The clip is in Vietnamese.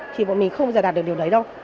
thì bọn mình không dài đạt được điều đấy đâu